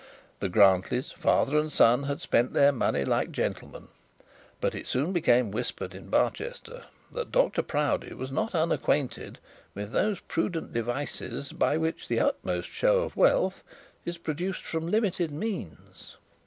The Grantlys, father and son, had spent their money like gentlemen; but it soon became whispered in Barchester that Dr Proudie was not unacquainted with those prudent devices by which the utmost show of wealth is produced from limited means.